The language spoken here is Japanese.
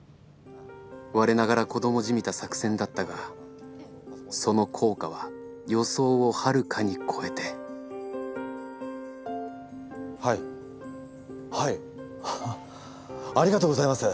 我ながら子どもじみた作戦だったがその効果は予想をはるかに超えてはいはい。ありがとうございます！